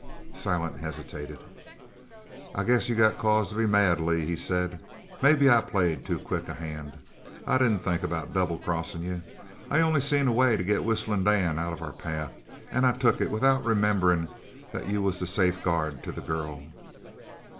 Silent hesitated. "I guess you got cause to be mad, Lee," he said. "Maybe I played too quick a hand. I didn't think about double crossin' you. I only seen a way to get Whistlin' Dan out of our path, an' I took it without rememberin' that you was the safeguard to the girl."